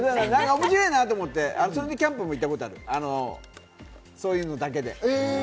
面白いなと思って、それでキャンプに行ったこともある、そういうのだけで。